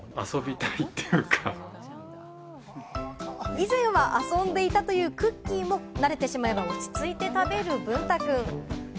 以前は遊んでいたというクッキ−も慣れてしまえば落ち着いて食べるぶんた君。